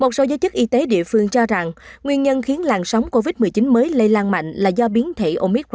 một số giới chức y tế địa phương cho rằng nguyên nhân khiến làn sóng covid một mươi chín mới lây lan mạnh là do biến thể orib bốn